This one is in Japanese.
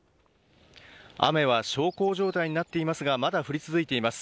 雨は小康状態になっていますが、まだ降り続いています。